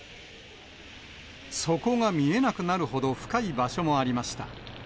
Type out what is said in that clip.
底が見えなくなるほど深い場所もありました。